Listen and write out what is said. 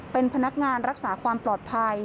เป็นพนักงานรักษาความปลอดภัย